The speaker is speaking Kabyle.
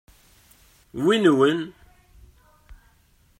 Wi nwen?